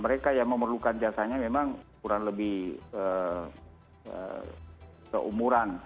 mereka yang memerlukan jasanya memang kurang lebih seumuran